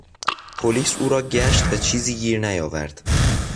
پلیس او را گشت و چیزی گیر نیاورد.